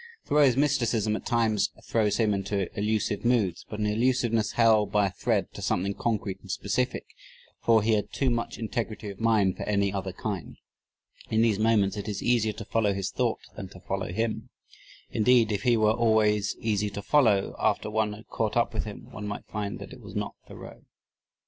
Thoreau's mysticism at times throws him into elusive moods but an elusiveness held by a thread to something concrete and specific, for he had too much integrity of mind for any other kind. In these moments it is easier to follow his thought than to follow him. Indeed, if he were always easy to follow, after one had caught up with him, one might find that it was not Thoreau.